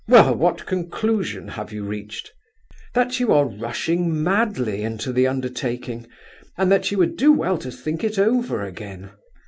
"Well, what conclusion have you reached?" "That you are rushing madly into the undertaking, and that you would do well to think it over again.